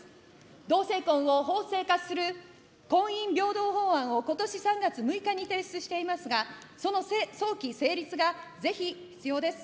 同性婚を法制化する婚姻平等法案をことし３月６日に提出していますが、その早期成立がぜひ必要です。